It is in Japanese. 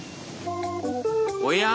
おや？